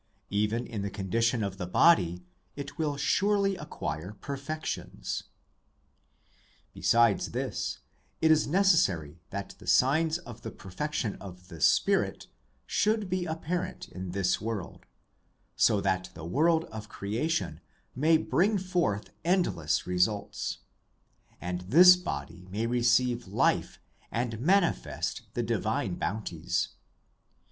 Even 233 234 SOME ANSWERED QUESTIONS in the condition of the body it will surely acquire perfections. Besides this, it is necessary that the signs of the perfection of the spirit should be apparent in this world, so that the world of creation may bring forth endless results, and this body may receive life and manifest the divine bounties.